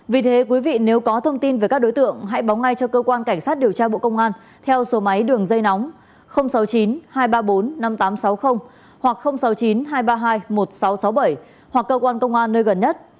vì thế quý vị nếu có thông tin về các đối tượng hãy báo ngay cho cơ quan cảnh sát điều tra bộ công an theo số máy đường dây nóng sáu mươi chín hai trăm ba mươi bốn năm nghìn tám trăm sáu mươi hoặc sáu mươi chín hai trăm ba mươi hai một nghìn sáu trăm sáu mươi bảy hoặc cơ quan công an nơi gần nhất